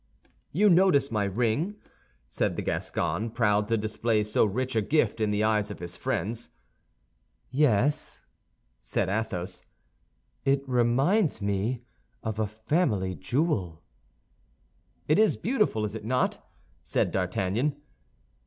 "You notice my ring?" said the Gascon, proud to display so rich a gift in the eyes of his friends. "Yes," said Athos, "it reminds me of a family jewel." "It is beautiful, is it not?" said D'Artagnan.